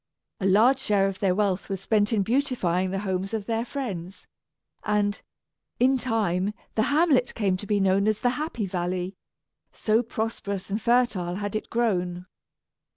A large share of their wealth was spent in beautifying the homes of their friends; and, in time, the hamlet came to be known as the "Happy Valley," so prosperous and fertile had it grown.